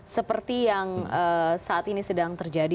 seperti yang saat ini sedang terjadi